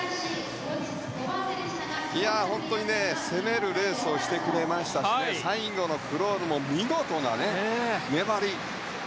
本当にね、攻めるレースをしてくれましたしね最後のクロールも見事な粘り。